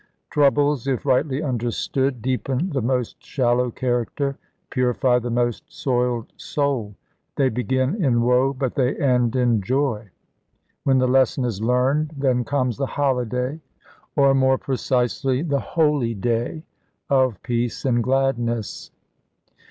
Troubles, if rightly understood, deepen the most shallow character, purify the most soiled soul. They begin in woe but they end in joy. When the lesson is learned, then comes the holiday or more precisely, the holy day of peace and gladness.